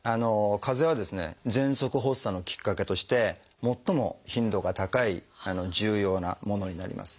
かぜはですねぜんそく発作のきっかけとして最も頻度が高い重要なものになります。